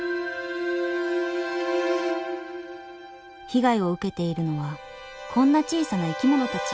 被害を受けているのはこんな小さな生き物たち。